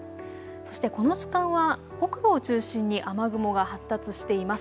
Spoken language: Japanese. そしてこの時間は北部を中心に雨雲が発達しています。